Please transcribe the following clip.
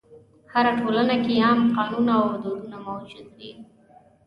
هره ټولنه کې عام قانون او دودونه موجود وي.